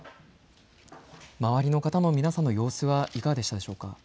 周りの方の皆さんの様子はいかがでしたでしょうか。